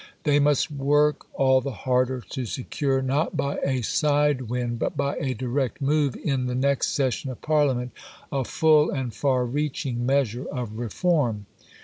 They must work all the harder to secure, not by a side wind, but by a direct move in the next session of Parliament, a full and far reaching measure of reform.